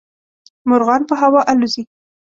مرغان په هوا الوزي.